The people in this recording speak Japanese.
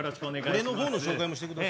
俺の紹介もしてください。